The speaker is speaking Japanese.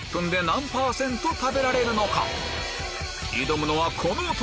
挑むのはこの男！